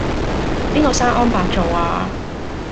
邊個生安白造呀?